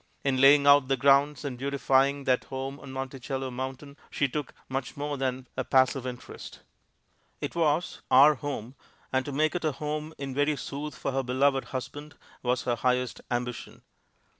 In laying out the grounds and beautifying that home on Monticello mountain, she took much more than a passive interest. It was "Our Home," and to make it a home in very sooth for her beloved husband was her highest ambition.